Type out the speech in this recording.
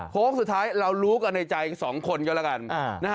โค้งสุดท้ายเรารู้กันในใจ๒คนก็แล้วกัน